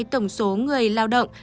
tổng số người lao động